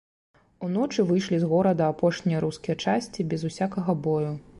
Уночы выйшлі з горада апошнія рускія часці без усякага бою.